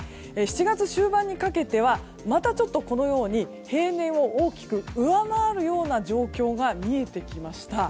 ７月終盤にかけてはまた平年を大きく上回るような状況が見えてきました。